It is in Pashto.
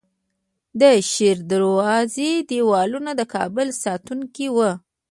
د شیردروازې دیوالونه د کابل ساتونکي وو